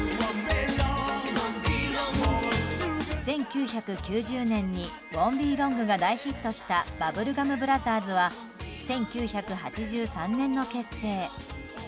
１９９０年に「ＷＯＮ’ＴＢＥＬＯＮＧ」が大ヒットしたバブルガム・ブラザーズは１９８３年の結成。